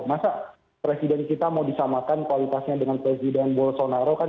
masa presiden kita mau disamakan kualitasnya dengan presiden bolsonaro kan